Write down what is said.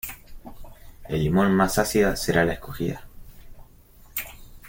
El limón más ácida será la escogida.